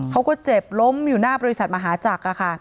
เขาก็เจ็บล้มอยู่หน้าบริษัทมหาจักร